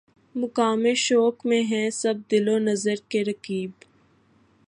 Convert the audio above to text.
مقام شوق میں ہیں سب دل و نظر کے رقیب